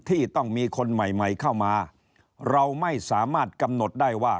ที่ต้องมีคนใหม่ใหม่เข้ามาเราไม่สามารถกำหนดได้ว่า